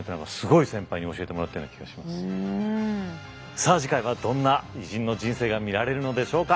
さあ次回はどんな偉人の人生が見られるのでしょうか。